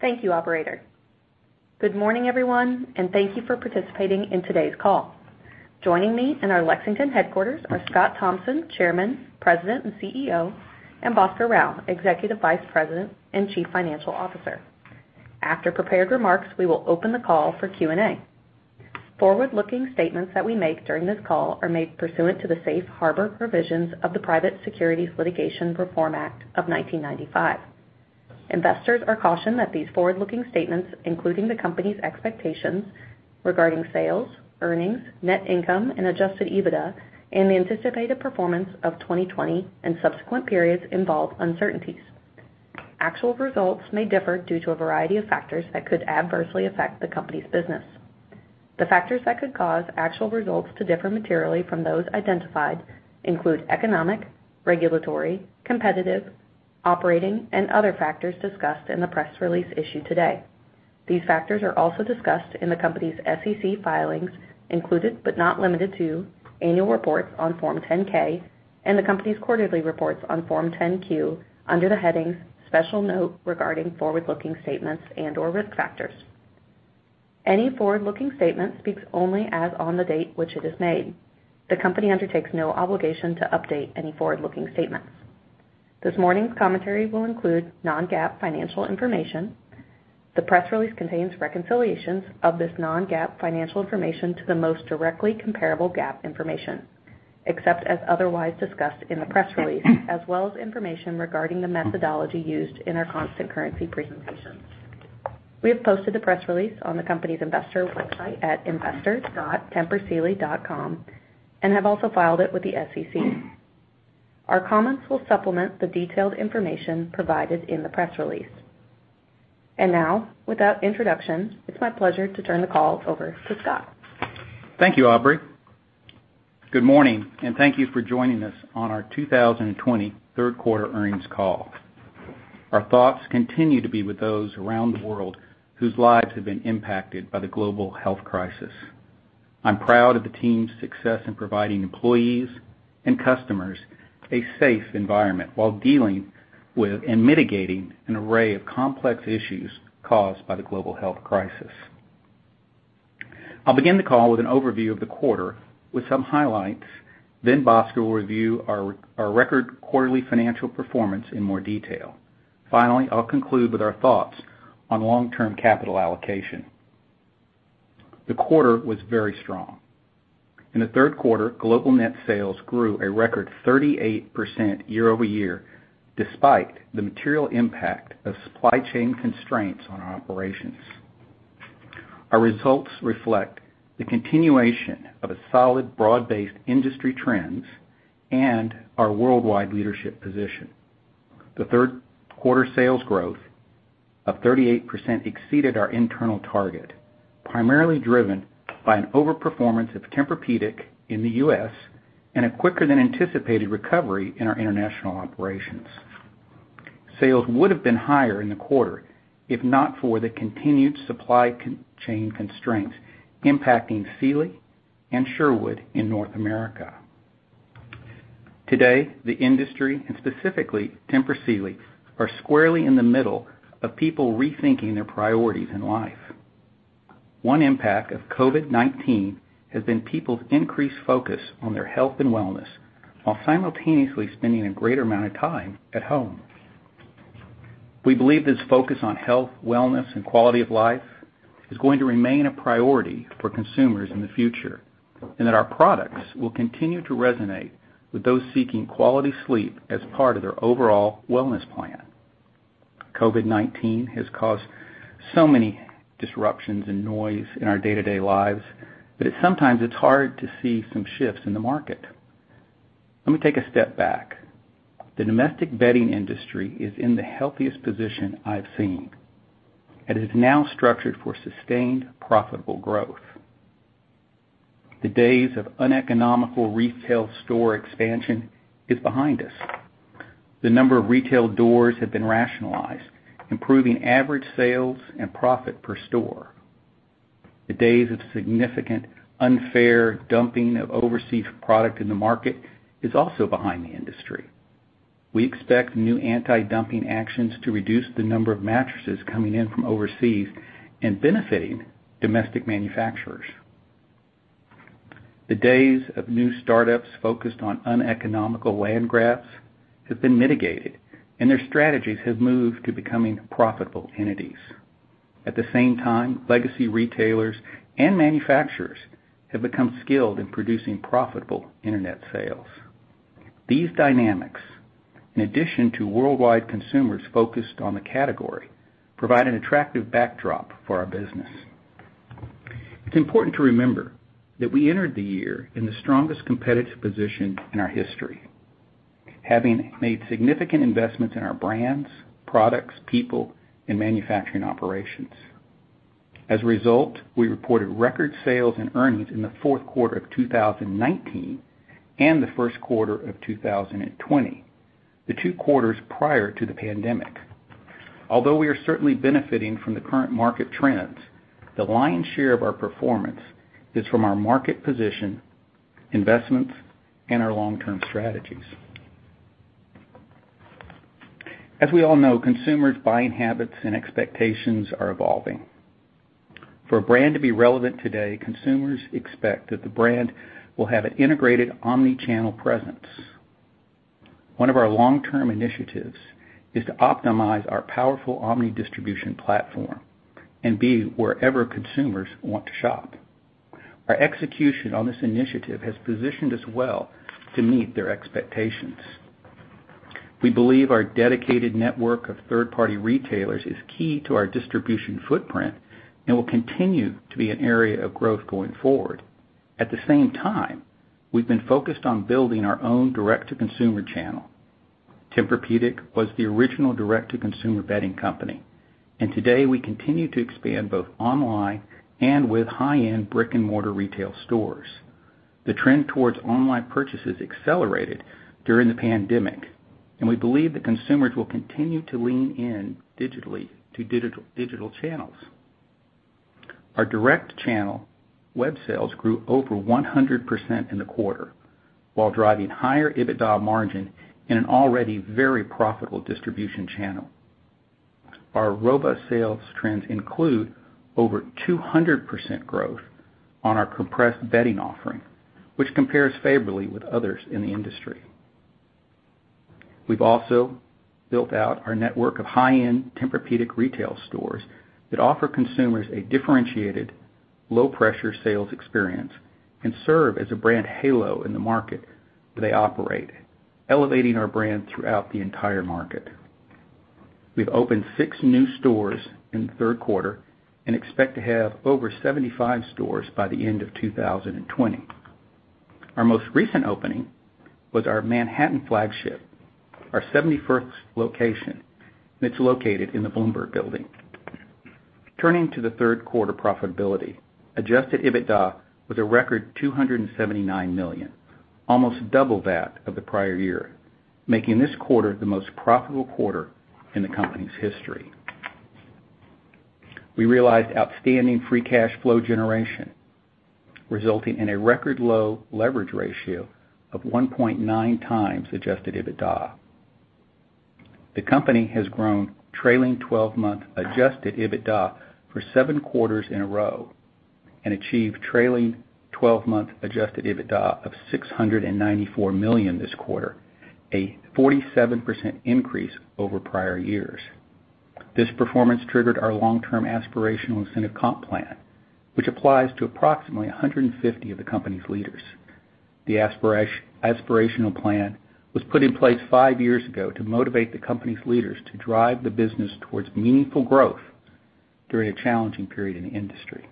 Thank you, operator. Good morning, everyone, and thank you for participating in today's call. Joining me in our Lexington headquarters are Scott Thompson, Chairman, President, and Chief Executive Officer, and Bhaskar Rao, Executive Vice President and Chief Financial Officer. After prepared remarks, we will open the call for Q&A. Forward-looking statements that we make during this call are made pursuant to the safe harbor provisions of the Private Securities Litigation Reform Act of 1995. Investors are cautioned that these forward-looking statements, including the company's expectations regarding sales, earnings, net income, and adjusted EBITDA and the anticipated performance of 2020 and subsequent periods involve uncertainties. Actual results may differ due to a variety of factors that could adversely affect the company's business. The factors that could cause actual results to differ materially from those identified include economic, regulatory, competitive, operating, and other factors discussed in the press release issued today. These factors are also discussed in the company's SEC filings, included but not limited to annual reports on Form 10-K and the company's quarterly reports on Form 10-Q under the headings, Special Note Regarding Forward-Looking Statements and/or Risk Factors. Any forward-looking statement speaks only as on the date which it is made. The company undertakes no obligation to update any forward-looking statements. This morning's commentary will include non-GAAP financial information. The press release contains reconciliations of this non-GAAP financial information to the most directly comparable GAAP information, except as otherwise discussed in the press release, as well as information regarding the methodology used in our constant currency presentations. We have posted the press release on the company's investor website at investors.tempursealy.com and have also filed it with the SEC. Our comments will supplement the detailed information provided in the press release. Now, without introduction, it's my pleasure to turn the call over to Scott. Thank you, Aubrey. Good morning, and thank you for joining us on our 2020 third quarter earnings call. Our thoughts continue to be with those around the world whose lives have been impacted by the global health crisis. I'm proud of the team's success in providing employees and customers a safe environment while dealing with and mitigating an array of complex issues caused by the global health crisis. I'll begin the call with an overview of the quarter with some highlights, then Bhaskar will review our record quarterly financial performance in more detail. Finally, I'll conclude with our thoughts on long-term capital allocation. The quarter was very strong. In the third quarter, global net sales grew a record 38% year-over-year despite the material impact of supply chain constraints on our operations. Our results reflect the continuation of a solid, broad-based industry trends and our worldwide leadership position. The third quarter sales growth of 38% exceeded our internal target, primarily driven by an overperformance of Tempur-Pedic in the U.S. and a quicker than anticipated recovery in our international operations. Sales would have been higher in the quarter if not for the continued supply chain constraints impacting Sealy and Sherwood in North America. Today, the industry and specifically Tempur Sealy are squarely in the middle of people rethinking their priorities in life. One impact of COVID-19 has been people's increased focus on their health and wellness while simultaneously spending a greater amount of time at home. We believe this focus on health, wellness, and quality of life is going to remain a priority for consumers in the future and that our products will continue to resonate with those seeking quality sleep as part of their overall wellness plan. COVID-19 has caused so many disruptions and noise in our day-to-day lives that sometimes it's hard to see some shifts in the market. Let me take a step back. The domestic bedding industry is in the healthiest position I've seen. It is now structured for sustained, profitable growth. The days of uneconomical retail store expansion is behind us. The number of retail doors have been rationalized, improving average sales and profit per store. The days of significant unfair dumping of overseas product in the market is also behind the industry. We expect new anti-dumping actions to reduce the number of mattresses coming in from overseas and benefiting domestic manufacturers. The days of new startups focused on uneconomical land grabs have been mitigated, and their strategies have moved to becoming profitable entities. At the same time, legacy retailers and manufacturers have become skilled in producing profitable internet sales. These dynamics, in addition to worldwide consumers focused on the category, provide an attractive backdrop for our business. It's important to remember that we entered the year in the strongest competitive position in our history, having made significant investments in our brands, products, people, and manufacturing operations. As a result, we reported record sales and earnings in the fourth quarter of 2019 and the first quarter of 2020, the two quarters prior to the pandemic. Although we are certainly benefiting from the current market trends, the lion's share of our performance is from our market position, investments, and our long-term strategies. As we all know, consumers' buying habits and expectations are evolving. For a brand to be relevant today, consumers expect that the brand will have an integrated omni-channel presence. One of our long-term initiatives is to optimize our powerful omni distribution platform and be wherever consumers want to shop. Our execution on this initiative has positioned us well to meet their expectations. We believe our dedicated network of third-party retailers is key to our distribution footprint and will continue to be an area of growth going forward. At the same time, we've been focused on building our own direct-to-consumer channel. Tempur-Pedic was the original direct-to-consumer bedding company, and today we continue to expand both online and with high-end brick-and-mortar retail stores. The trend towards online purchases accelerated during the pandemic. We believe that consumers will continue to lean in digitally to digital channels. Our direct channel web sales grew over 100% in the quarter while driving higher EBITDA margin in an already very profitable distribution channel. Our robust sales trends include over 200% growth on our compressed bedding offering, which compares favorably with others in the industry. We've also built out our network of high-end Tempur-Pedic retail stores that offer consumers a differentiated low-pressure sales experience and serve as a brand halo in the market where they operate, elevating our brand throughout the entire market. We've opened six new stores in the third quarter and expect to have over 75 stores by the end of 2020. Our most recent opening was our Manhattan flagship, our 71st location, and it's located in the Bloomberg Building. Turning to the third quarter profitability, adjusted EBITDA was a record $279 million, almost double that of the prior year, making this quarter the most profitable quarter in the company's history. We realized outstanding free cash flow generation, resulting in a record low leverage ratio of 1.9x adjusted EBITDA. The company has grown trailing 12-month adjusted EBITDA for seven quarters in a row and achieved trailing 12-month adjusted EBITDA of $694 million this quarter, a 47% increase over prior years. This performance triggered our long-term aspirational incentive comp plan, which applies to approximately 150 of the company's leaders. The aspirational plan was put in place five years ago to motivate the company's leaders to drive the business towards meaningful growth during a challenging period in the industry.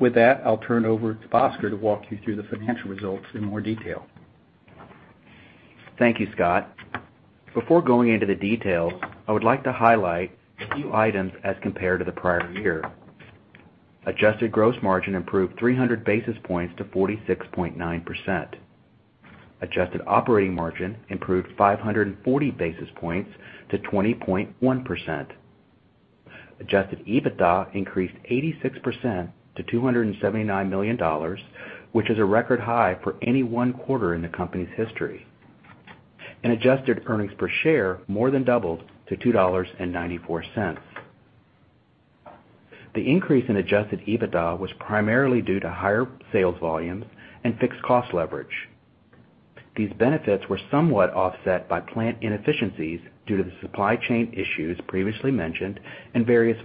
With that, I'll turn it over to Bhaskar to walk you through the financial results in more detail. Thank you, Scott. Before going into the details, I would like to highlight a few items as compared to the prior year. Adjusted gross margin improved 300 basis points to 46.9%. Adjusted operating margin improved 540 basis points to 20.1%. Adjusted EBITDA increased 86% to $279 million, which is a record high for any one quarter in the company's history. Adjusted earnings per share more than doubled to $2.94. The increase in adjusted EBITDA was primarily due to higher sales volumes and fixed cost leverage. These benefits were somewhat offset by plant inefficiencies due to the supply chain issues previously mentioned and various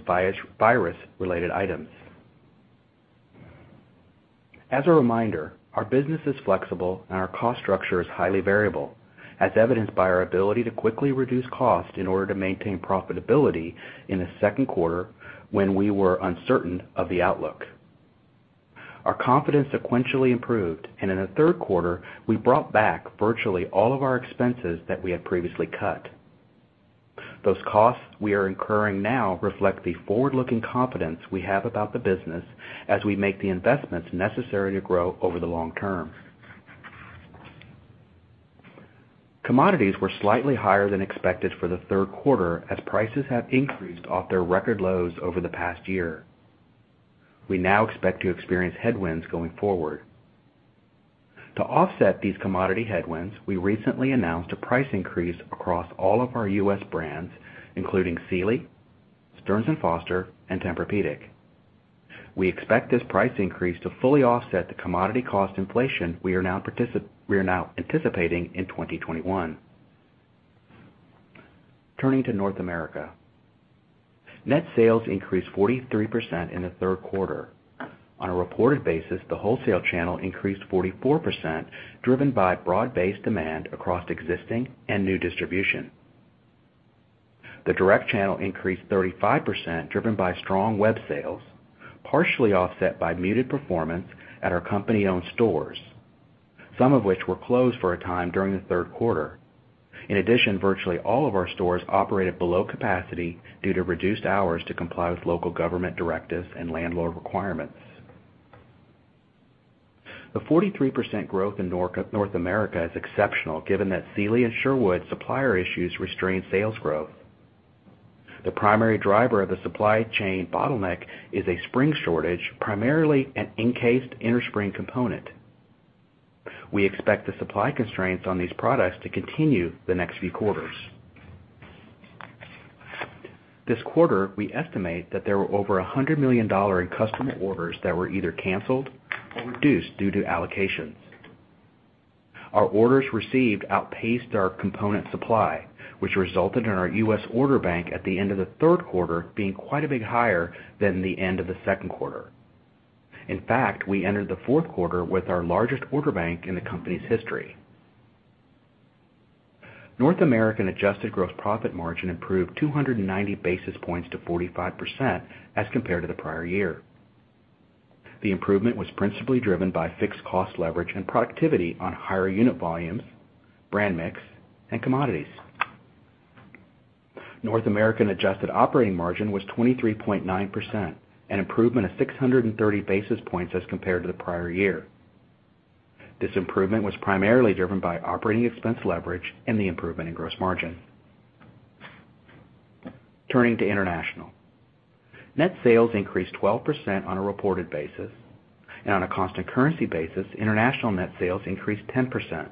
virus-related items. As a reminder, our business is flexible and our cost structure is highly variable, as evidenced by our ability to quickly reduce cost in order to maintain profitability in the second quarter when we were uncertain of the outlook. Our confidence sequentially improved, and in the third quarter, we brought back virtually all of our expenses that we had previously cut. Those costs we are incurring now reflect the forward-looking confidence we have about the business as we make the investments necessary to grow over the long term. Commodities were slightly higher than expected for the third quarter as prices have increased off their record lows over the past year. We now expect to experience headwinds going forward. To offset these commodity headwinds, we recently announced a price increase across all of our U.S. brands, including Sealy, Stearns & Foster, and Tempur-Pedic. We expect this price increase to fully offset the commodity cost inflation we are now anticipating in 2021. Turning to North America. Net sales increased 43% in the third quarter. On a reported basis, the wholesale channel increased 44%, driven by broad-based demand across existing and new distribution. The direct channel increased 35%, driven by strong web sales, partially offset by muted performance at our company-owned stores, some of which were closed for a time during the third quarter. Virtually all of our stores operated below capacity due to reduced hours to comply with local government directives and landlord requirements. The 43% growth in North America is exceptional, given that Sealy and Sherwood supplier issues restrained sales growth. The primary driver of the supply chain bottleneck is a spring shortage, primarily an encased innerspring component. We expect the supply constraints on these products to continue the next few quarters. This quarter, we estimate that there were over $100 million in customer orders that were either canceled or reduced due to allocations. Our orders received outpaced our component supply, which resulted in our U.S. order bank at the end of the third quarter being quite a bit higher than the end of the second quarter. In fact, we entered the fourth quarter with our largest order bank in the company's history. North American adjusted gross profit margin improved 290 basis points to 45% as compared to the prior year. The improvement was principally driven by fixed cost leverage and productivity on higher unit volumes, brand mix, and commodities. North American adjusted operating margin was 23.9%, an improvement of 630 basis points as compared to the prior year. This improvement was primarily driven by operating expense leverage and the improvement in gross margin. Turning to international. Net sales increased 12% on a reported basis, and on a constant currency basis, international net sales increased 10%.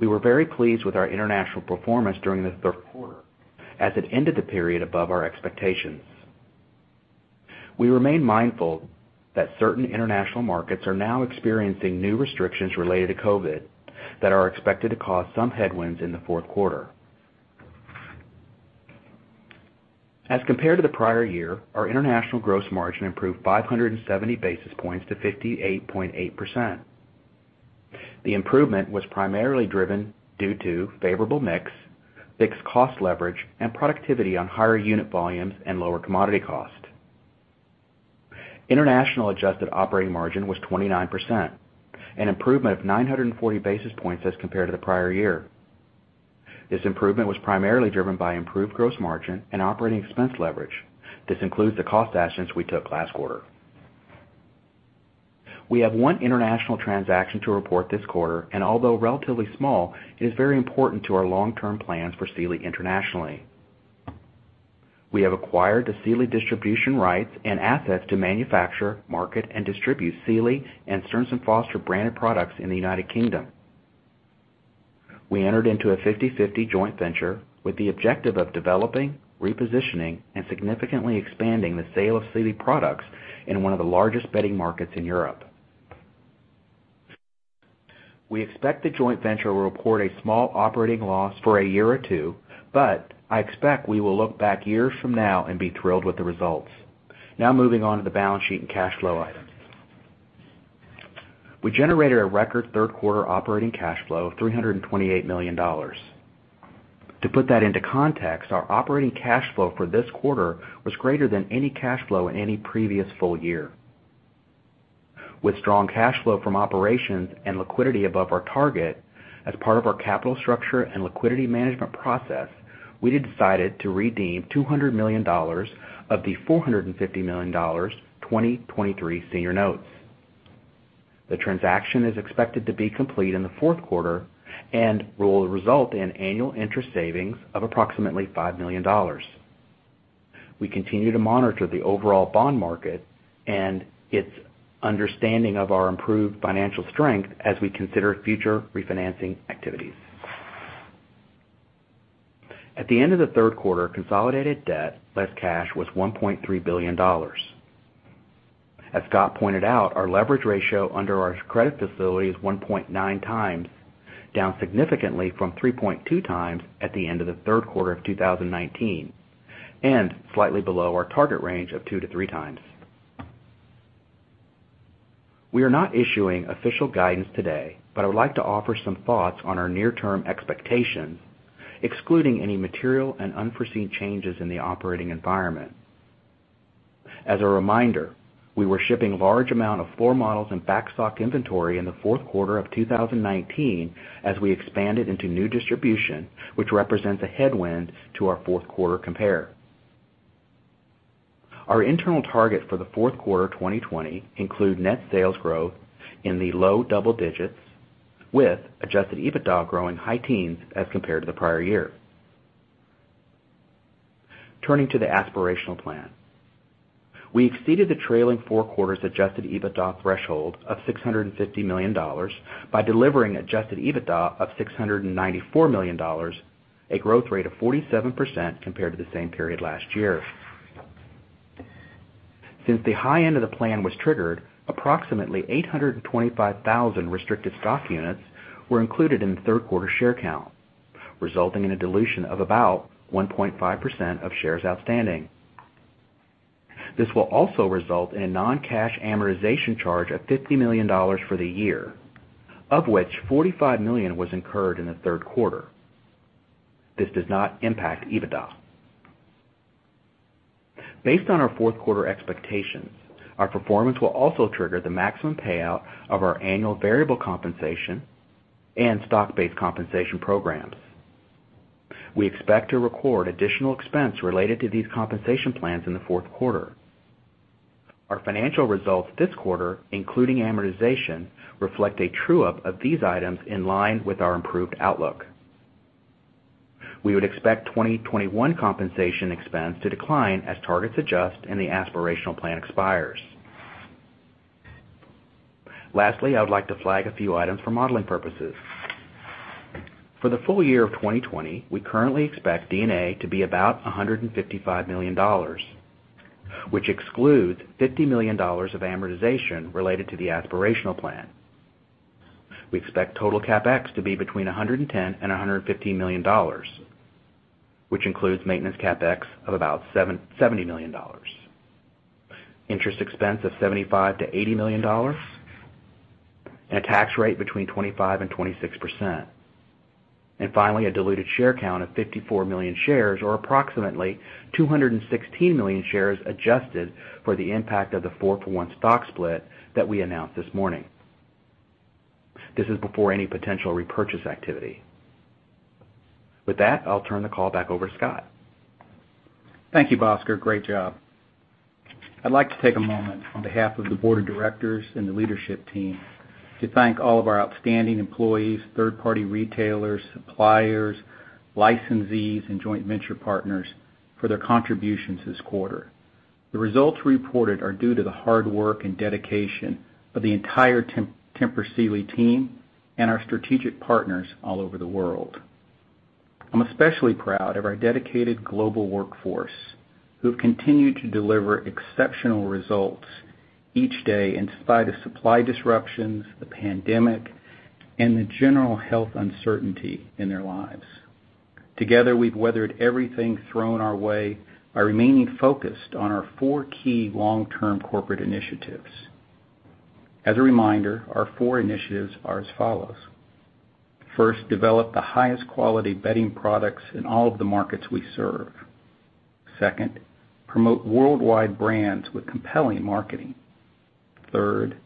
We were very pleased with our international performance during the third quarter as it ended the period above our expectations. We remain mindful that certain international markets are now experiencing new restrictions related to COVID-19 that are expected to cause some headwinds in the fourth quarter. As compared to the prior year, our international gross margin improved 570 basis points to 58.8%. The improvement was primarily driven due to favorable mix, fixed cost leverage, and productivity on higher unit volumes and lower commodity cost. International adjusted operating margin was 29%, an improvement of 940 basis points as compared to the prior year. This improvement was primarily driven by improved gross margin and operating expense leverage. This includes the cost actions we took last quarter. We have one international transaction to report this quarter, and although relatively small, it is very important to our long-term plans for Sealy internationally. We have acquired the Sealy distribution rights and assets to manufacture, market, and distribute Sealy and Stearns & Foster branded products in the United Kingdom. We entered into a 50/50 joint venture with the objective of developing, repositioning, and significantly expanding the sale of Sealy products in one of the largest bedding markets in Europe. We expect the joint venture will report a small operating loss for a year or two, but I expect we will look back years from now and be thrilled with the results. Moving on to the balance sheet and cash flow items. We generated a record third quarter operating cash flow of $328 million. To put that into context, our operating cash flow for this quarter was greater than any cash flow in any previous full year. With strong cash flow from operations and liquidity above our target, as part of our capital structure and liquidity management process, we decided to redeem $200 million of the $450 million 2023 senior notes. The transaction is expected to be complete in the fourth quarter and will result in annual interest savings of approximately $5 million. We continue to monitor the overall bond market and its understanding of our improved financial strength as we consider future refinancing activities. At the end of the third quarter, consolidated debt, less cash, was $1.3 billion. As Scott pointed out, our leverage ratio under our credit facility is 1.9x, down significantly from 3.2x at the end of the third quarter of 2019, and slightly below our target range of 2x-3x. I would like to offer some thoughts on our near-term expectations, excluding any material and unforeseen changes in the operating environment. As a reminder, we were shipping large amount of floor models and backstock inventory in the fourth quarter of 2019 as we expanded into new distribution, which represents a headwind to our fourth quarter compare. Our internal target for the fourth quarter 2020 include net sales growth in the low double digits with adjusted EBITDA growing high teens as compared to the prior year. Turning to the aspirational plan. We exceeded the trailing four quarters adjusted EBITDA threshold of $650 million by delivering adjusted EBITDA of $694 million, a growth rate of 47% compared to the same period last year. Since the high end of the plan was triggered, approximately 825,000 restricted stock units were included in the third quarter share count, resulting in a dilution of about 1.5% of shares outstanding. This will also result in a non-cash amortization charge of $50 million for the year, of which $45 million was incurred in the third quarter. This does not impact EBITDA. Based on our fourth quarter expectations, our performance will also trigger the maximum payout of our annual variable compensation and stock-based compensation programs. We expect to record additional expense related to these compensation plans in the fourth quarter. Our financial results this quarter, including amortization, reflect a true-up of these items in line with our improved outlook. We would expect 2021 compensation expense to decline as targets adjust and the aspirational plan expires. Lastly, I would like to flag a few items for modeling purposes. For the full year of 2020, we currently expect D&A to be about $155 million, which excludes $50 million of amortization related to the aspirational plan. We expect total CapEx to be between $110 million and $150 million, which includes maintenance CapEx of about $70 million. Interest expense of $75 million-$80 million, a tax rate between 25% and 26%. Finally, a diluted share count of 54 million shares, or approximately 216 million shares adjusted for the impact of the 4:1 stock split that we announced this morning. This is before any potential repurchase activity. With that, I'll turn the call back over to Scott. Thank you, Bhaskar. Great job. I'd like to take a moment on behalf of the board of directors and the leadership team to thank all of our outstanding employees, third-party retailers, suppliers, licensees, and joint venture partners for their contributions this quarter. The results reported are due to the hard work and dedication of the entire Tempur Sealy team and our strategic partners all over the world. I'm especially proud of our dedicated global workforce, who have continued to deliver exceptional results each day in spite of supply disruptions, the pandemic, and the general health uncertainty in their lives. Together, we've weathered everything thrown our way by remaining focused on our four key long-term corporate initiatives. As a reminder, our four initiatives are as follows. First, develop the highest quality bedding products in all of the markets we serve. Second, promote worldwide brands with compelling marketing. Third,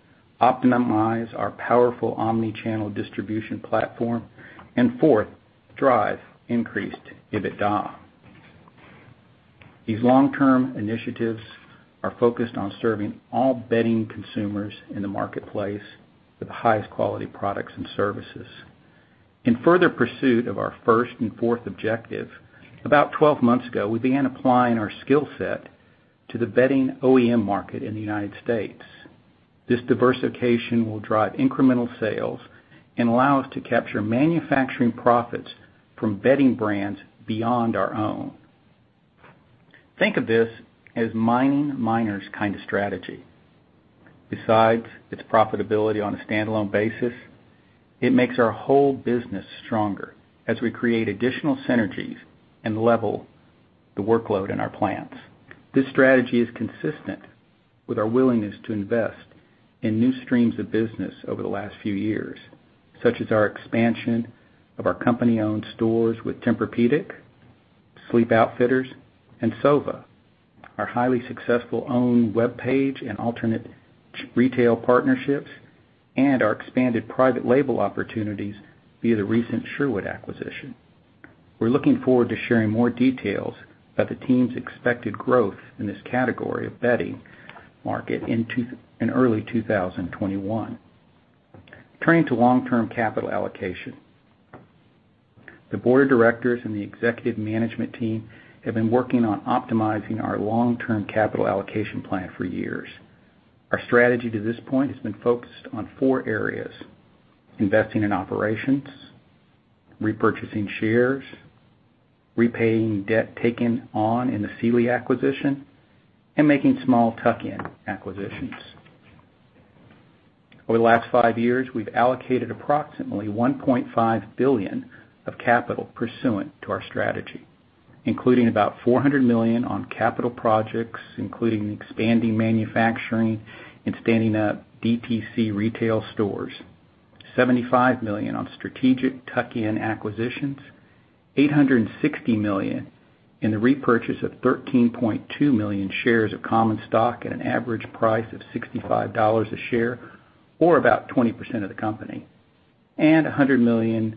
optimize our powerful omni-channel distribution platform. Fourth, drive increased EBITDA. These long-term initiatives are focused on serving all bedding consumers in the marketplace with the highest quality products and services. In further pursuit of our first and fourth objective, about 12 months ago, we began applying our skill set to the bedding OEM market in the United States. This diversification will drive incremental sales and allow us to capture manufacturing profits from bedding brands beyond our own. Think of this as mining miners kind of strategy. Besides its profitability on a standalone basis, it makes our whole business stronger as we create additional synergies and level the workload in our plants. This strategy is consistent with our willingness to invest in new streams of business over the last few years, such as our expansion of our company-owned stores with Tempur-Pedic, Sleep Outfitters, and SOVA, our highly successful owned webpage and alternate retail partnerships, and our expanded private label opportunities via the recent Sherwood acquisition. We're looking forward to sharing more details about the team's expected growth in this category of bedding market in early 2021. Turning to long-term capital allocation. The Board of Directors and the Executive Management Team have been working on optimizing our long-term capital allocation plan for years. Our strategy to this point has been focused on four areas: investing in operations, repurchasing shares, repaying debt taken on in the Sealy acquisition, and making small tuck-in acquisitions. Over the last five years, we've allocated approximately $1.5 billion of capital pursuant to our strategy, including about $400 million on capital projects, including expanding manufacturing and standing up DTC retail stores, $75 million on strategic tuck-in acquisitions, $860 million in the repurchase of 13.2 million shares of common stock at an average price of $65 a share, or about 20% of the company, and a $100 million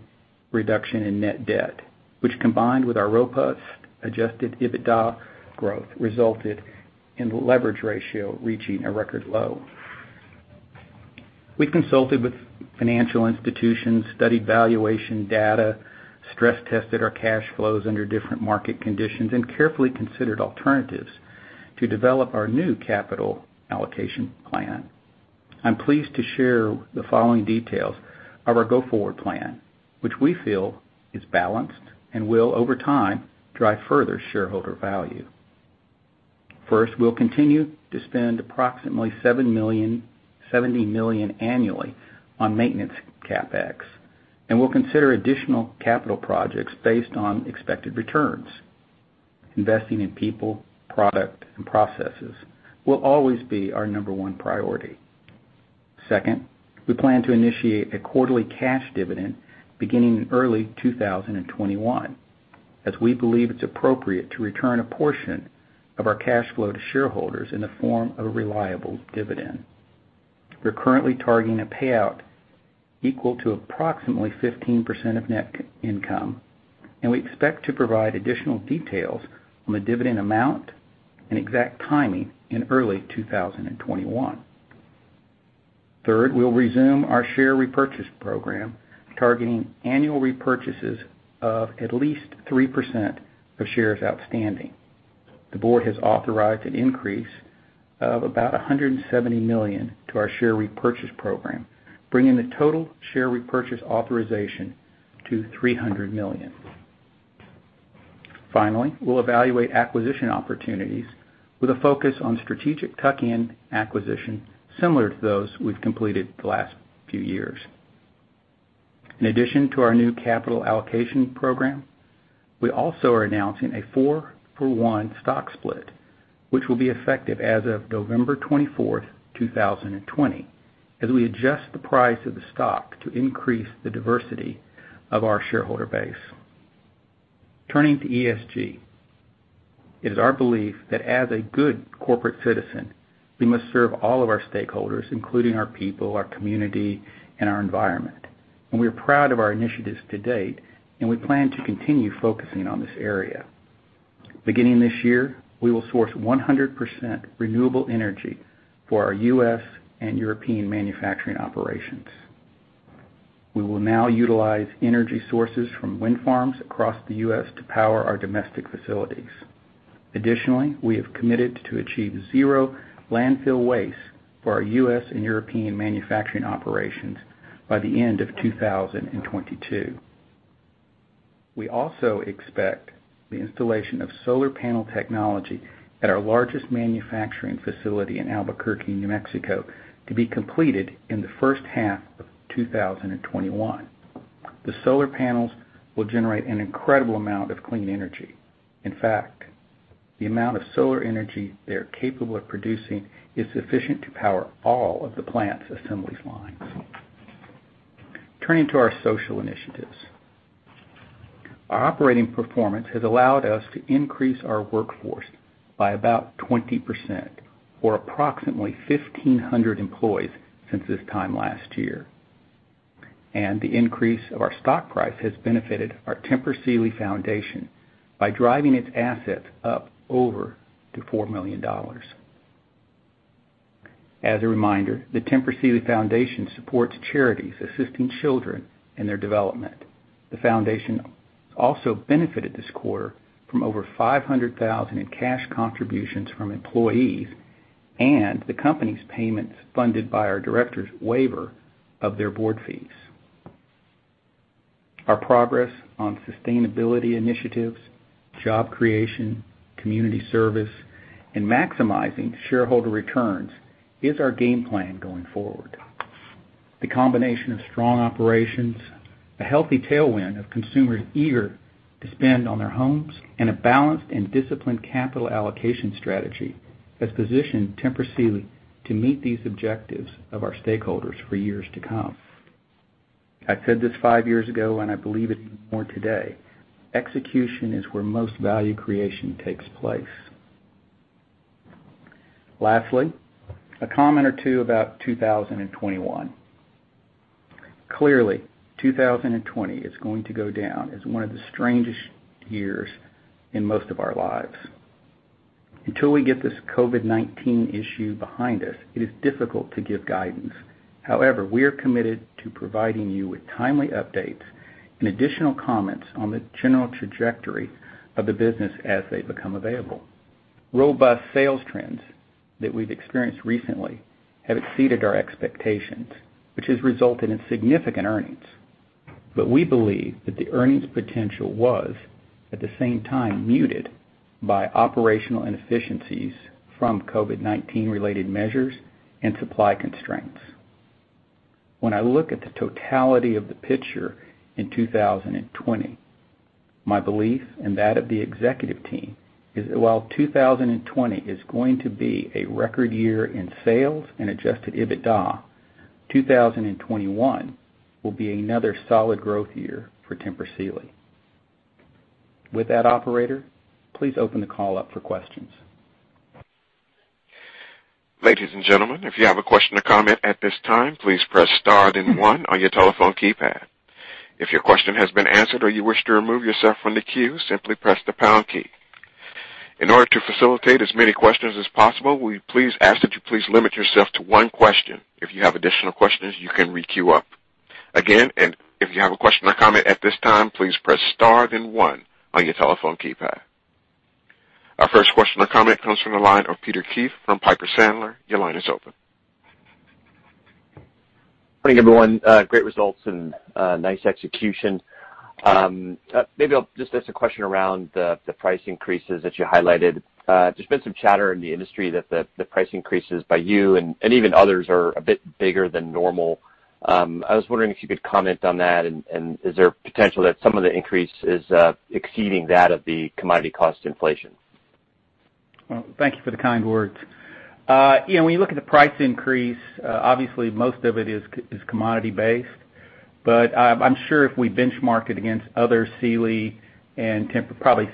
reduction in net debt, which combined with our robust adjusted EBITDA growth, resulted in the leverage ratio reaching a record low. We've consulted with financial institutions, studied valuation data, stress tested our cash flows under different market conditions, and carefully considered alternatives to develop our new capital allocation plan. I'm pleased to share the following details of our go-forward plan, which we feel is balanced and will, over time, drive further shareholder value. First, we'll continue to spend approximately $70 million annually on maintenance CapEx, and we'll consider additional capital projects based on expected returns. Investing in people, product, and processes will always be our number one priority. Second, we plan to initiate a quarterly cash dividend beginning in early 2021, as we believe it's appropriate to return a portion of our cash flow to shareholders in the form of a reliable dividend. We're currently targeting a payout equal to approximately 15% of net income, and we expect to provide additional details on the dividend amount and exact timing in early 2021. Third, we'll resume our share repurchase program, targeting annual repurchases of at least 3% of shares outstanding. The board has authorized an increase of about $170 million to our share repurchase program, bringing the total share repurchase authorization to $300 million. Finally, we'll evaluate acquisition opportunities with a focus on strategic tuck-in acquisition similar to those we've completed the last few years. In addition to our new capital allocation program, we also are announcing a 4-for-1 stock split, which will be effective as of November 24, 2020, as we adjust the price of the stock to increase the diversity of our shareholder base. Turning to ESG. It is our belief that as a good corporate citizen, we must serve all of our stakeholders, including our people, our community, and our environment. We are proud of our initiatives to date, and we plan to continue focusing on this area. Beginning this year, we will source 100% renewable energy for our U.S. and European manufacturing operations. We will now utilize energy sources from wind farms across the U.S. to power our domestic facilities. Additionally, we have committed to achieve zero landfill waste for our U.S. and European manufacturing operations by the end of 2022. We also expect the installation of solar panel technology at our largest manufacturing facility in Albuquerque, New Mexico, to be completed in the first half of 2021. The solar panels will generate an incredible amount of clean energy. In fact, the amount of solar energy they are capable of producing is sufficient to power all of the plant's assemblies lines. Turning to our social initiatives. Our operating performance has allowed us to increase our workforce by about 20% or approximately 1,500 employees since this time last year. The increase of our stock price has benefited our Tempur Sealy Foundation by driving its assets up over to $4 million. As a reminder, the Tempur Sealy Foundation supports charities assisting children in their development. The Foundation also benefited this quarter from over $500,000 in cash contributions from employees and the company's payments funded by our directors waiver of their board fees. Our progress on sustainability initiatives, job creation, community service, and maximizing shareholder returns is our game plan going forward. The combination of strong operations, a healthy tailwind of consumers eager to spend on their homes, and a balanced and disciplined capital allocation strategy has positioned Tempur Sealy to meet these objectives of our stakeholders for years to come. I said this five years ago, and I believe it even more today, execution is where most value creation takes place. Lastly, a comment or two about 2021. Clearly, 2020 is going to go down as one of the strangest years in most of our lives. Until we get this COVID-19 issue behind us, it is difficult to give guidance. However, we are committed to providing you with timely updates and additional comments on the general trajectory of the business as they become available. Robust sales trends that we've experienced recently have exceeded our expectations, which has resulted in significant earnings. We believe that the earnings potential was, at the same time, muted by operational inefficiencies from COVID-19 related measures and supply constraints. When I look at the totality of the picture in 2020, my belief and that of the executive team is that while 2020 is going to be a record year in sales and adjusted EBITDA, 2021 will be another solid growth year for Tempur Sealy. With that, operator, please open the call up for questions. Ladies and gentlemen, if you have a question or comment at this time, please press star then one on your telephone keypad. If your question has been answered or you wish to remove yourself from the queue, simply press the pound key. In order to facilitate as many questions as possible, we please ask that you please limit yourself to one question. If you have additional questions, you can requeue up. Again, if you have a question or comment at this time, please press star then one on your telephone keypad. Our first question or comment comes from the line of Peter Keith from Piper Sandler, your line is open. Morning, everyone? Great results and nice execution. Maybe I'll just ask a question around the price increases that you highlighted. There's been some chatter in the industry that the price increases by you and even others are a bit bigger than normal. I was wondering if you could comment on that and is there potential that some of the increase is exceeding that of the commodity cost inflation? Well, thank you for the kind words. You know, when you look at the price increase, obviously most of it is commodity based. I'm sure if we benchmark it against other Sealy and Tempur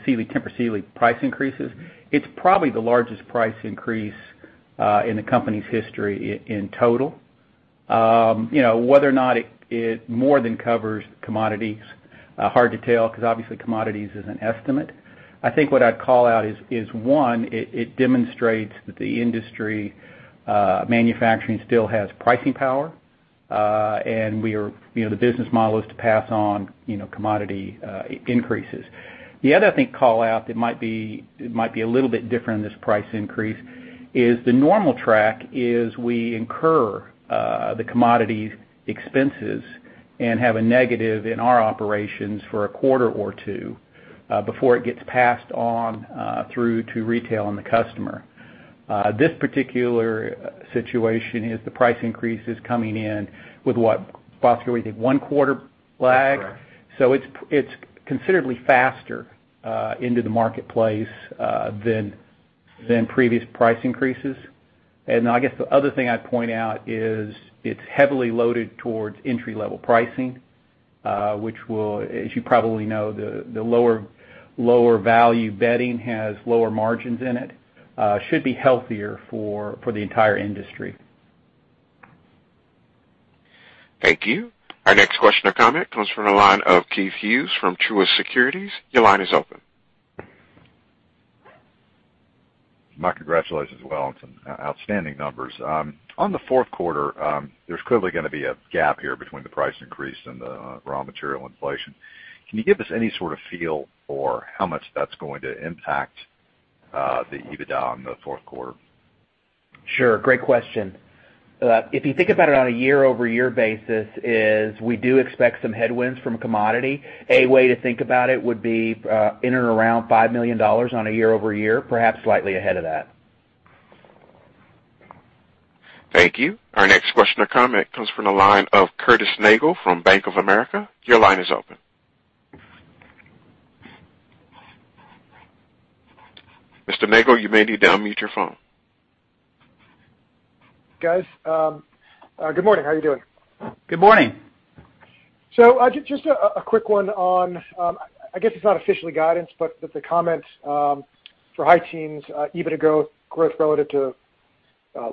Sealy price increases, it's probably the largest price increase in the company's history in total. You know, whether or not it more than covers commodities, hard to tell 'cause obviously commodities is an estimate. I think what I'd call out is one, it demonstrates that the industry manufacturing still has pricing power. We are, you know, the business model is to pass on, you know, commodity increases. The other I think call out that might be a little bit different in this price increase is the normal track is we incur the commodity expenses and have a negative in our operations for a quarter or two before it gets passed on through to retail and the customer. This particular situation is the price increase is coming in with what, Bhaskar, we did one quarter lag? That's correct. It's considerably faster into the marketplace than previous price increases. I guess the other thing I'd point out is it's heavily loaded towards entry-level pricing, which will, as you probably know, the lower value bedding has lower margins in it. Should be healthier for the entire industry. Thank you. Our next question or comment comes from the line of Keith Hughes from Truist Securities, your line is open. My congratulations as well on some outstanding numbers. On the fourth quarter, there's clearly gonna be a gap here between the price increase and the raw material inflation. Can you give us any sort of feel for how much that's going to impact the EBITDA on the fourth quarter? Sure. Great question. If you think about it on a year-over-year basis, is we do expect some headwinds from commodity. A way to think about it would be, in and around $5 million on a year-over-year, perhaps slightly ahead of that. Thank you. Our next question or comment comes from the line of Curtis Nagle from Bank of America, your line is open. Mr. Nagle, you may need to unmute your phone. Guys, good morning. How are you doing? Good morning. Just a quick one on, I guess it's not officially guidance, but the comments, for high teens EBITDA growth relative to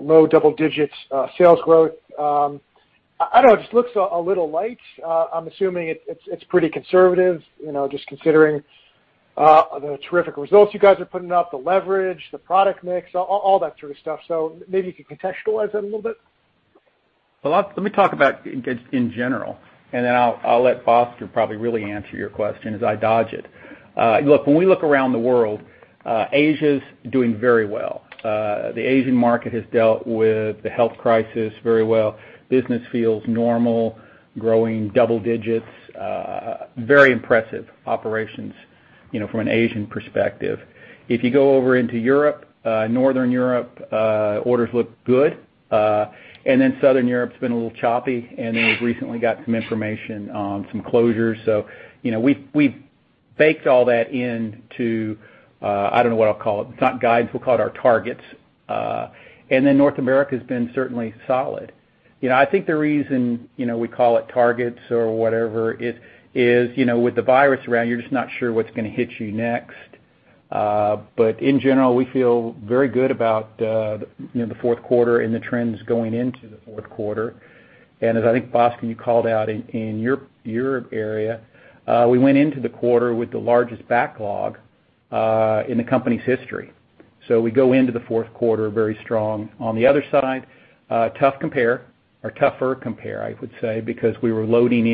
low double digits sales growth. I don't know, it just looks a little light. I'm assuming it's pretty conservative, you know, just considering the terrific results you guys are putting up, the leverage, the product mix, all that sort of stuff. Maybe you could contextualize that a little bit. Let me talk about in general, and then I'll let Bhaskar probably really answer your question as I dodge it. Look, when we look around the world, Asia's doing very well. The Asian market has dealt with the health crisis very well. Business feels normal, growing double digits, very impressive operations, you know, from an Asian perspective. If you go over into Europe, Northern Europe, orders look good. Southern Europe's been a little choppy, and we've recently got some information on some closures. You know, we've baked all that into, I don't know what I'll call it. It's not guidance, we'll call it our targets. North America's been certainly solid. You know, I think the reason, you know, we call it targets or whatever is, you know, with the virus around, you're just not sure what's gonna hit you next. In general, we feel very good about, you know, the fourth quarter and the trends going into the fourth quarter. As I think, Bhaskar, you called out in your area, we went into the quarter with the largest backlog, in the company's history. We go into the fourth quarter very strong. On the other side, tough compare or tougher compare, I would say, because we were loading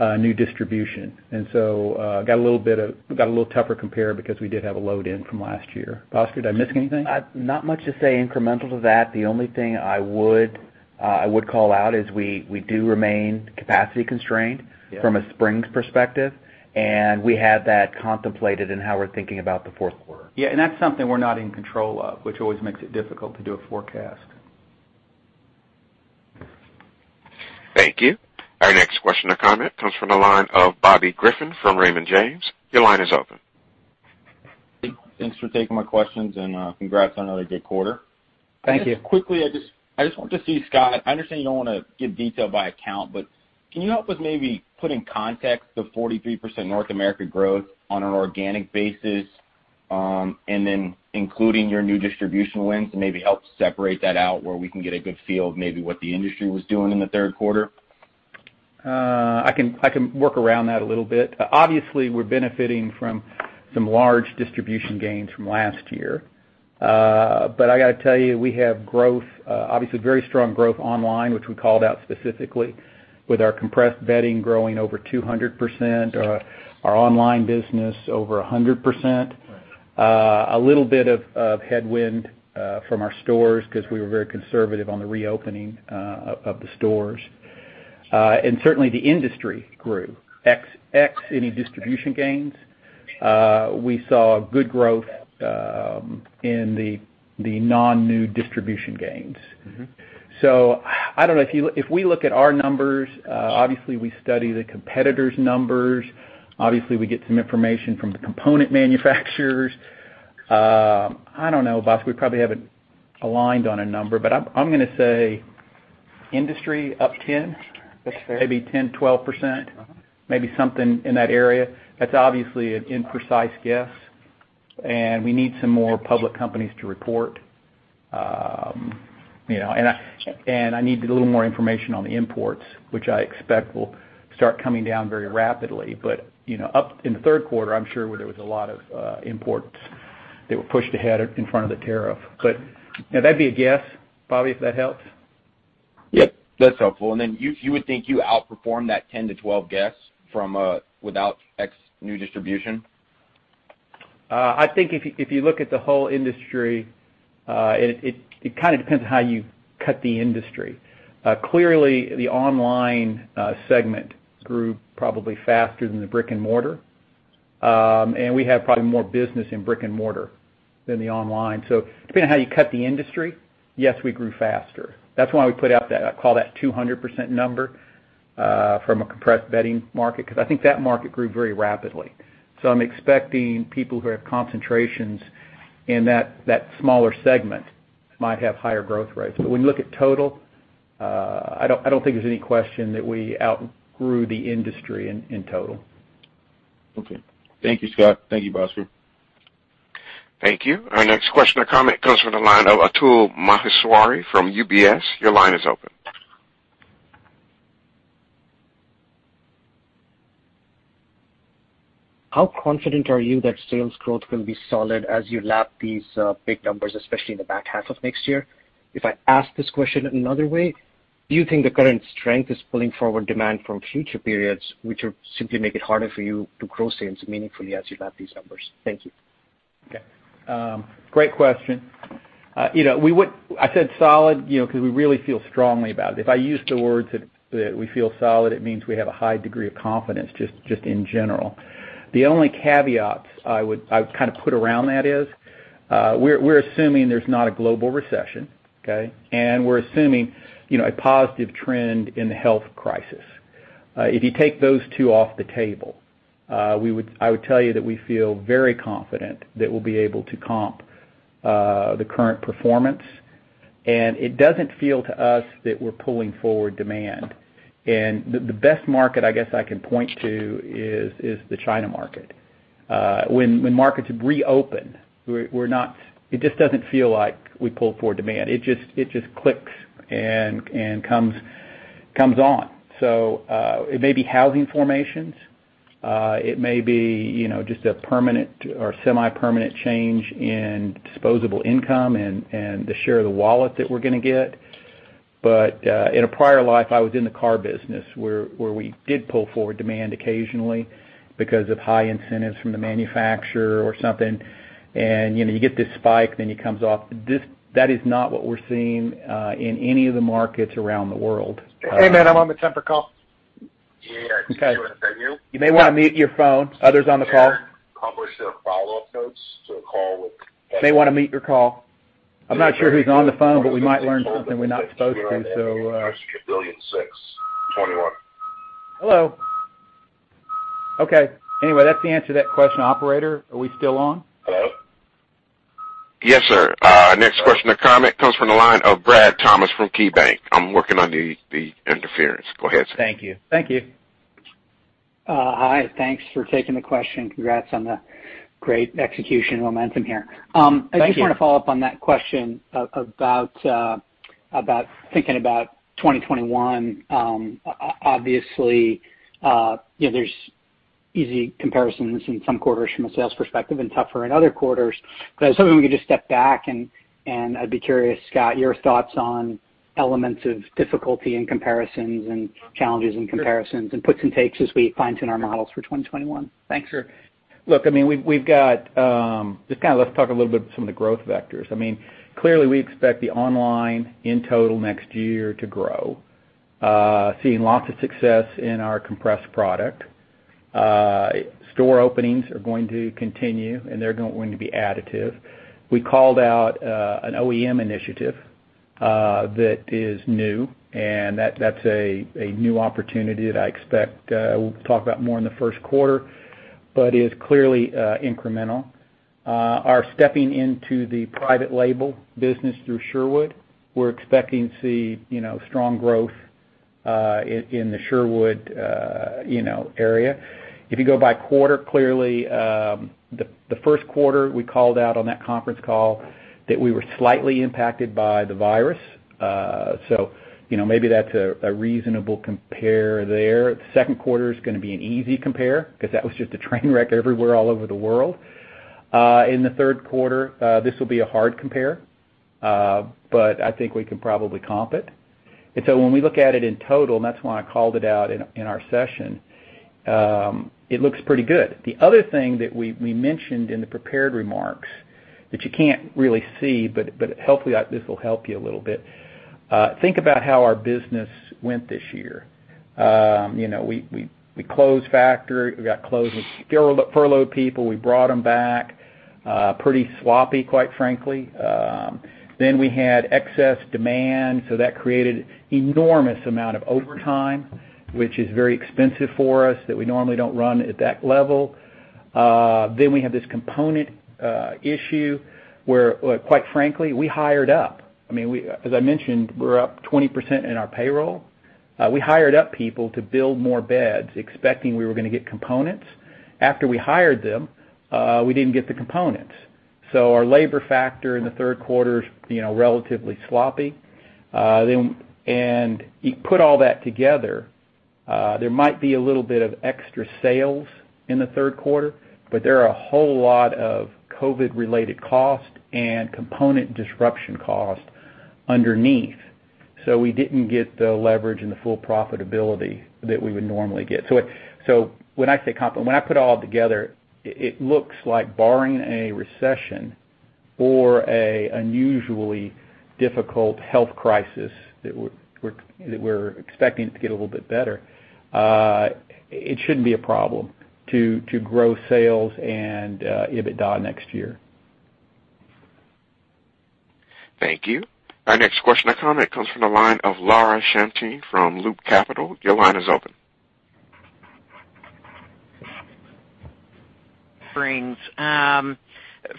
in, new distribution. Got a little tougher compare because we did have a load in from last year. Bhaskar, did I miss anything? Not much to say incremental to that. The only thing I would call out is we do remain capacity constrained from a springs perspective, we have that contemplated in how we're thinking about the fourth quarter. That's something we're not in control of, which always makes it difficult to do a forecast. Thank you. Our next question or comment comes from the line of Bobby Griffin from Raymond James, your line is open. Thanks for taking my questions and, congrats on another good quarter. Thank you. Just quickly, I just wanted to see, Scott, I understand you don't wanna give detail by account, but can you help us maybe put in context the 43% North America growth on an organic basis, and then including your new distribution wins and maybe help separate that out where we can get a good feel of maybe what the industry was doing in the third quarter? I can work around that a little bit. Obviously, we're benefiting from some large distribution gains from last year. I gotta tell you, we have growth, obviously very strong growth online, which we called out specifically with our compressed bedding growing over 200%, our online business over 100%. A little bit of headwind from our stores 'cause we were very conservative on the reopening of the stores. Certainly the industry grew. Any distribution gains, we saw good growth in the non-new distribution gains. I don't know if we look at our numbers, obviously we study the competitor's numbers. Obviously, we get some information from the component manufacturers. I don't know, Bhaskar, we probably have aligned on a number, but I'm gonna say industry up 10%. That's fair. Maybe 10%, 12%. Maybe something in that area. That's obviously an imprecise guess. We need some more public companies to report. You know, I need a little more information on the imports, which I expect will start coming down very rapidly. You know, up in the third quarter, I'm sure there was a lot of imports that were pushed ahead in front of the tariff. You know, that'd be a guess, Bobby, if that helps. Yep, that's helpful. Then you would think you outperformed that 10%-12% guess from without ex new distribution? I think if you look at the whole industry, it kind of depends on how you cut the industry. Clearly the online segment grew probably faster than the brick-and-mortar. We have probably more business in brick-and-mortar than the online. Depending on how you cut the industry, yes, we grew faster. That's why we put out that call that 200% number from a compressed bedding market, 'cause I think that market grew very rapidly. I'm expecting people who have concentrations in that smaller segment might have higher growth rates. When you look at total, I don't think there's any question that we outgrew the industry in total. Okay. Thank you, Scott. Thank you, Bhaskar Rao. Thank you. Our next question or comment comes from the line of Atul Maheshwari from UBS, your line is open. How confident are you that sales growth will be solid as you lap these big numbers, especially in the back half of next year? If I ask this question another way, do you think the current strength is pulling forward demand from future periods, which would simply make it harder for you to grow sales meaningfully as you lap these numbers? Thank you. Okay. great question. you know, we would I said solid, you know, 'cause we really feel strongly about it. If I use the words that we feel solid, it means we have a high degree of confidence just in general. The only caveats I would kind of put around that is, we're assuming there's not a global recession, okay? We're assuming, you know, a positive trend in the health crisis. If you take those two off the table, I would tell you that we feel very confident that we'll be able to comp, the current performance. It doesn't feel to us that we're pulling forward demand. The best market I guess I can point to is the China market. When markets reopen, we're not. It just doesn't feel like we pull forward demand. It just clicks and comes on. It may be housing formations. It may be, you know, just a permanent or semi-permanent change in disposable income and the share of the wallet that we're gonna get. In a prior life, I was in the car business where we did pull forward demand occasionally because of high incentives from the manufacturer or something. You know, you get this spike, then it comes off. That is not what we're seeing in any of the markets around the world. Hey, man, I'm on the Tempur call. Okay. You may wanna mute your phone. Others on the call. You may wanna mute your call. I'm not sure who's on the phone, but we might learn something we're not supposed to, so- Hello. Okay. Anyway, that's the answer to that question, operator. Are we still on? Yes, sir. Next question or comment comes from the line of Brad Thomas from KeyBanc. I'm working on the interference. Go ahead, sir. Thank you. Thank you. Hi. Thanks for taking the question. Congrats on the great execution momentum here. Thank you. I just wanna follow up on that question about thinking about 2021. obviously, you know, there's easy comparisons in some quarters from a sales perspective and tougher in other quarters. I was hoping we could just step back and I'd be curious, Scott, your thoughts on elements of difficulty in comparisons and challenges in comparisons and puts and takes as we fine-tune our models for 2021. Thanks. Sure. Look, I mean, we've got, Just kinda let's talk a little bit some of the growth vectors. I mean, clearly we expect the online in total next year to grow. Seeing lots of success in our compressed product. Store openings are going to continue, and they're going to be additive. We called out an OEM initiative that is new, and that's a new opportunity that I expect we'll talk about more in the first quarter. Is clearly incremental. Are stepping into the private label business through Sherwood. We're expecting to see, you know, strong growth in the Sherwood, you know, area. If you go by quarter, clearly, the first quarter we called out on that conference call that we were slightly impacted by the virus. You know, maybe that's a reasonable compare there. The second quarter is gonna be an easy compare 'cause that was just a train wreck everywhere all over the world. In the third quarter, this will be a hard compare, I think we can probably comp it. When we look at it in total, and that's why I called it out in our session, it looks pretty good. The other thing that we mentioned in the prepared remarks that you can't really see, hopefully this will help you a little bit, think about how our business went this year. You know, we closed factory. We got closed We furloughed people, we brought them back, pretty sloppy, quite frankly. We had excess demand, so that created enormous amount of overtime, which is very expensive for us, that we normally don't run at that level. We have this component issue where quite frankly, we hired up. I mean, as I mentioned, we're up 20% in our payroll. We hired up people to build more beds, expecting we were gonna get components. After we hired them, we didn't get the components. Our labor factor in the third quarter is, you know, relatively sloppy. You put all that together, there might be a little bit of extra sales in the third quarter, but there are a whole lot of COVID-related cost and component disruption cost underneath. We didn't get the leverage and the full profitability that we would normally get. When I say comp-- when I put it all together, it looks like barring a recession or an unusually difficult health crisis that we're expecting to get a little bit better, it shouldn't be a problem to grow sales and EBITDA next year. Thank you. Our next question or comment comes from the line of Laura Champine from Loop Capital Markets, your line is open.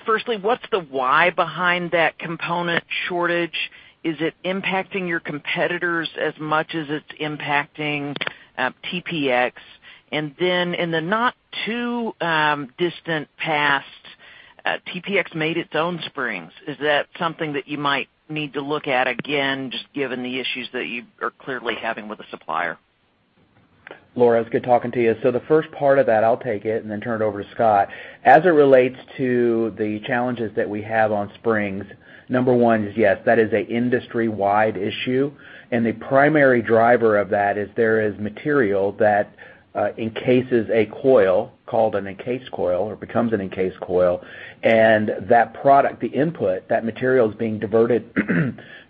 Firstly, what's the why behind that component shortage? Is it impacting your competitors as much as it's impacting, TPX? In the not too distant past, TPX made its own springs. Is that something that you might need to look at again, just given the issues that you are clearly having with the supplier? Laura good talking to you. The first part of that, I'll take it and then turn it over to Scott. As it relates to the challenges that we have on springs, number 1 is, yes, that is a industry-wide issue, and the primary driver of that is there is material that encases a coil called an encased coil or becomes an encased coil, and that product, the input, that material is being diverted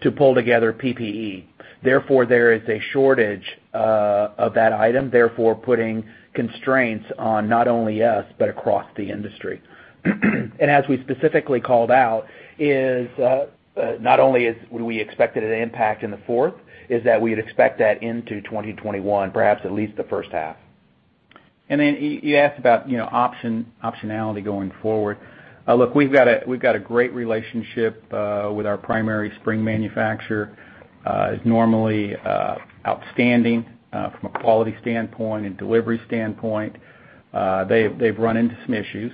to pull together PPE. Therefore, there is a shortage of that item, therefore, putting constraints on not only us, but across the industry. As we specifically called out, is, not only would we expect it to impact in the fourth, is that we'd expect that into 2021, perhaps at least the first half. Then you asked about, you know, optionality going forward. Look, we've got a great relationship with our primary spring manufacturer, is normally outstanding from a quality standpoint and delivery standpoint. They've run into some issues,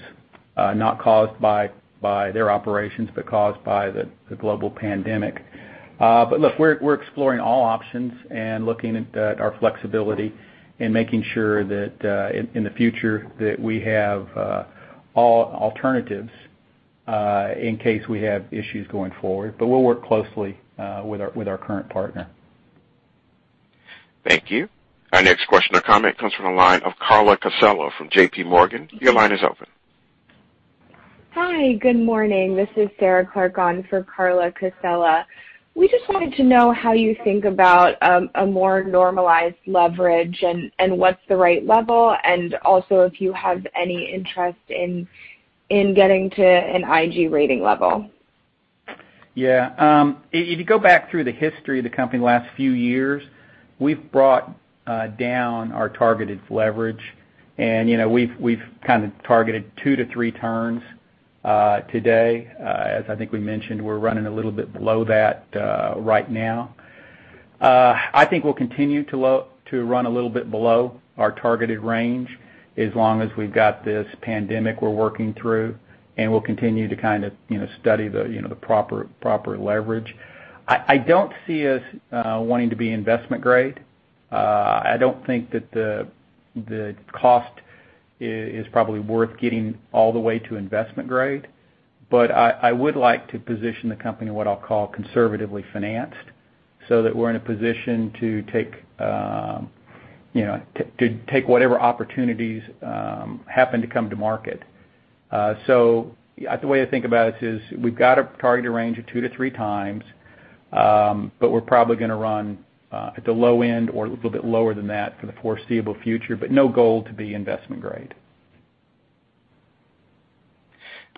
not caused by their operations, but caused by the global pandemic. Look, we're exploring all options and looking at our flexibility and making sure that in the future that we have all alternatives in case we have issues going forward. We'll work closely with our current partner. Thank you. Our next question or comment comes from the line of Carla Casella from JPMorgan, your line is open. Hi, good morning? This is Sarah Clark on for Carla Casella. We just wanted to know how you think about a more normalized leverage and what's the right level, and also if you have any interest in getting to an IG rating level. If you go back through the history of the company in the last few years, we've brought down our targeted leverage. You know, we've kind of targeted two to three turns today. As I think we mentioned, we're running a little bit below that right now. I think we'll continue to run a little bit below our targeted range as long as we've got this pandemic we're working through, and we'll continue to kind of, you know, study the, you know, the proper leverage. I don't see us wanting to be investment grade. I don't think that the cost is probably worth getting all the way to investment grade. I would like to position the company what I'll call conservatively financed, so that we're in a position to take, you know, to take whatever opportunities happen to come to market. The way to think about it is we've got a targeted range of 2 to 3 times, but we're probably gonna run at the low end or a little bit lower than that for the foreseeable future, but no goal to be investment grade.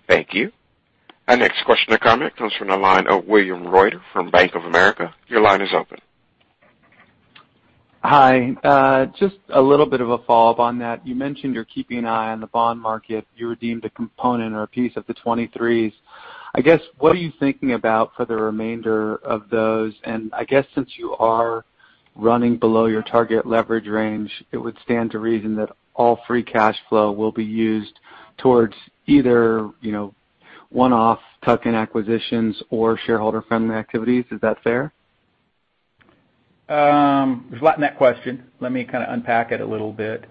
Thank you. Our next question or comment comes from the line of William Reuter from Bank of America, your line is open. Hi. Just a little bit of a follow-up on that. You mentioned you're keeping an eye on the bond market. You redeemed a component or a piece of the 23s. I guess, what are you thinking about for the remainder of those? I guess since you are running below your target leverage range, it would stand to reason that all free cash flow will be used towards either, you know, one-off tuck-in acquisitions or shareholder friendly activities. Is that fair? There's a lot in that question. Let me kind of unpack it a little bit.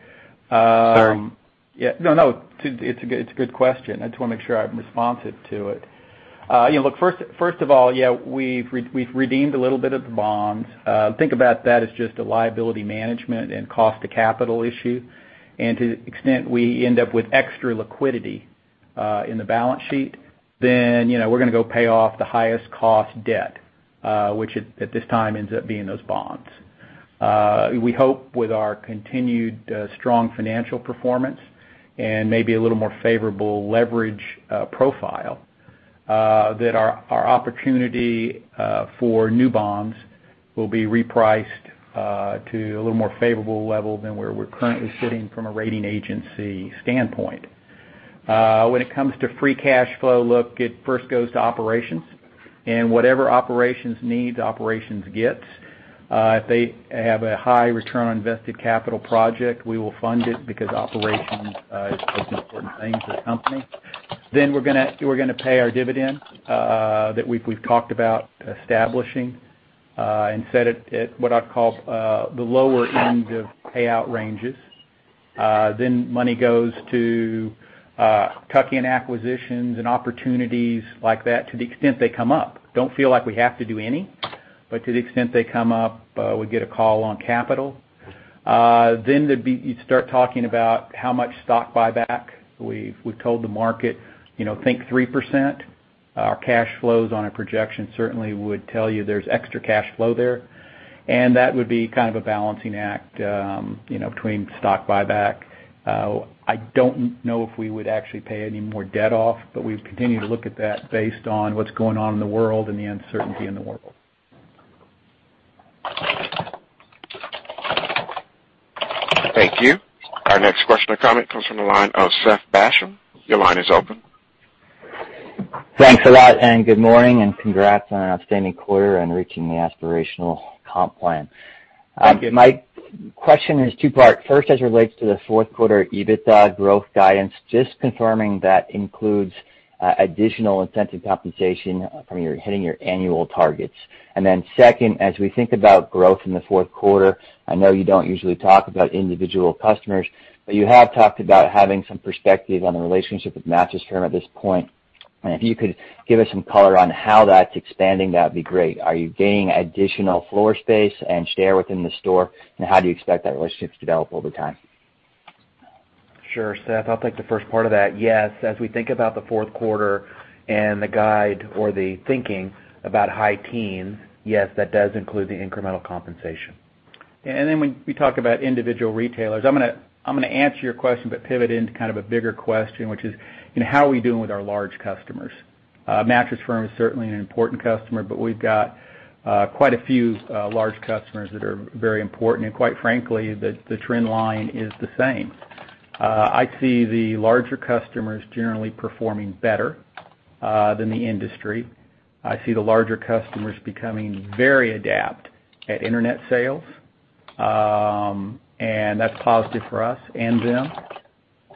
Sorry. Yeah. No, no. It's a good question. I just wanna make sure I'm responsive to it. You know, look, first of all, yeah, we've redeemed a little bit of the bonds. Think about that as just a liability management and cost to capital issue. To the extent we end up with extra liquidity in the balance sheet, then, you know, we're gonna go pay off the highest cost debt, which at this time ends up being those bonds. We hope with our continued strong financial performance and maybe a little more favorable leverage profile that our opportunity for new bonds will be repriced to a little more favorable level than where we're currently sitting from a rating agency standpoint. When it comes to free cash flow, look, it first goes to operations and whatever operations needs, operations gets. If they have a high return on invested capital project, we will fund it because operations is the most important thing to the company. We're gonna pay our dividend that we've talked about establishing and set it at what I'd call the lower end of payout ranges. Money goes to tuck-in acquisitions and opportunities like that to the extent they come up. Don't feel like we have to do any, but to the extent they come up, we get a call on capital. You'd start talking about how much stock buyback. We've told the market, you know, think 3%. Our cash flows on a projection certainly would tell you there's extra cash flow there, and that would be kind of a balancing act, you know, between stock buyback. I don't know if we would actually pay any more debt off, but we've continued to look at that based on what's going on in the world and the uncertainty in the world. Thank you. Our next question or comment comes from the line of Seth Basham, your line is open. Thanks a lot and good morning and congrats on an outstanding quarter and reaching the aspirational comp plan. Thank you. My question is two-part. First, as it relates to the 4th quarter EBITDA growth guidance, just confirming that includes additional incentive compensation from your hitting your annual targets. Second, as we think about growth in the fourth quarter, I know you don't usually talk about individual customers, but you have talked about having some perspective on the relationship with Mattress Firm at this point. If you could give us some color on how that's expanding, that'd be great. Are you gaining additional floor space and share within the store? How do you expect that relationship to develop over time? Sure, Seth. I'll take the first part of that. Yes. As we think about the fourth quarter and the guide or the thinking about high teens, yes, that does include the incremental compensation. Then when we talk about individual retailers, I'm gonna answer your question, but pivot into kind of a bigger question, which is, you know, how are we doing with our large customers? Mattress Firm is certainly an important customer, but we've got quite a few large customers that are very important. Quite frankly, the trend line is the same. I see the larger customers generally performing better than the industry. I see the larger customers becoming very adept at internet sales, and that's positive for us and them.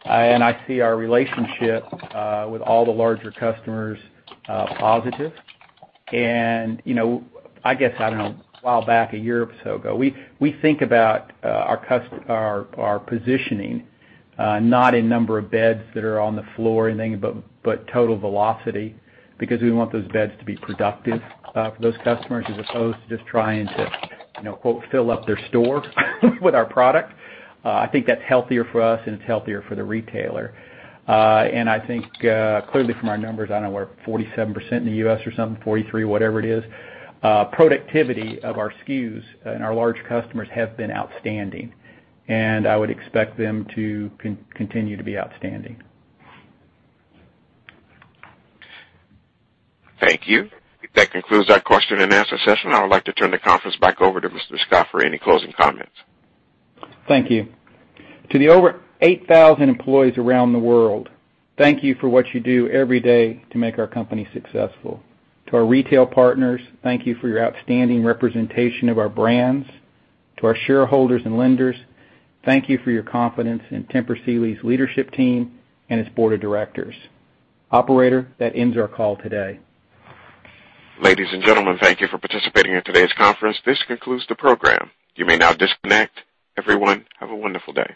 I see our relationship with all the larger customers positive. You know, I guess, I don't know, a while back, a year or so ago, we think about our positioning, not in number of beds that are on the floor or anything, but total velocity because we want those beds to be productive for those customers as opposed to just trying to, you know, quote, fill up their store with our product. I think that's healthier for us and it's healthier for the retailer. I think, clearly from our numbers, I know we're 47% in the U.S. or something, 43%, whatever it is, productivity of our SKUs and our large customers have been outstanding, and I would expect them to continue to be outstanding. Thank you. That concludes our question and answer session. I would like to turn the conference back over to Mr. Scott for any closing comments. Thank you. To the over 8,000 employees around the world, thank you for what you do every day to make our company successful. To our retail partners, thank you for your outstanding representation of our brands. To our shareholders and lenders, thank you for your confidence in Tempur Sealy's leadership team and its board of directors. Operator, that ends our call today. Ladies and gentlemen, thank you for participating in today's conference. This concludes the program, you may now disconnect. Everyone, have a wonderful day.